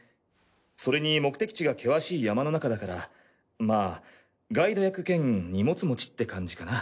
それに目的地が険しい山の中だからまぁガイド役兼荷物持ちって感じかな。